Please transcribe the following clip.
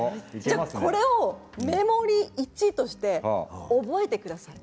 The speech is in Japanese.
これをメモリー１として覚えてください。